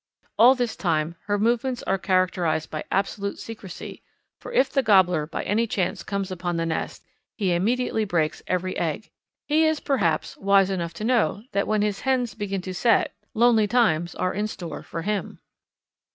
All this time her movements are characterized by absolute secrecy, for if the gobbler by any chance comes upon the nest he immediately breaks every egg. He is perhaps wise enough to know that when his hens begin to set lonely times are in store for him.